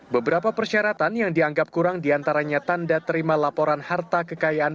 beberapa persyaratan yang dianggap kurang diantaranya tanda terima laporan harta kekayaan